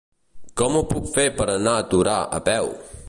Com ho puc fer per anar a Torà a peu?